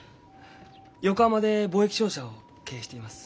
横浜で貿易商社を経営しています。